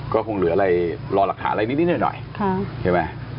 ก็คงเหลืออะไรรอหลักฐานอะไรนิดหน่อยใช่ไหม